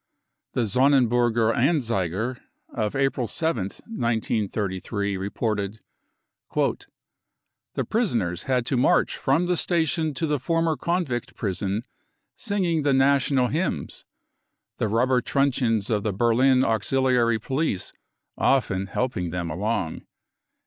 The Sonnenburger Anzeiger of April 7th, 1 933, reported : 44 The prisoners had to march from the station to the former convict prison singing the national hymns. the rubber truncheons of the Berlin\uxiliary police often helping them along."